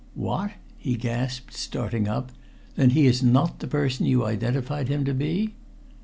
"What!" he gasped, starting up. "Then he is not the person you identified him to be?"